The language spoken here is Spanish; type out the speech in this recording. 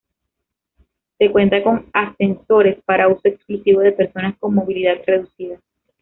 Se cuenta con ascensores para uso exclusivo de personas con movilidad reducida.